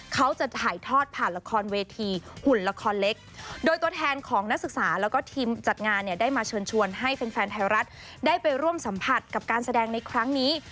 เขาจะถ่ายทอดผ่านละครเวทีหุ่นละครเล็กโดยตัวแทนของนักศึกษาแล้วก็ทีมจัดงานเนี่ยได้มาเชิญชวนให้แฟนไทยรัฐได้ไปร่วมสัมผัสกับการแสดงในครั้งนี้